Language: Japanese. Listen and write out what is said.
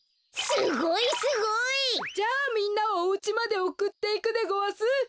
すごいすごい！じゃあみんなをおうちまでおくっていくでごわす。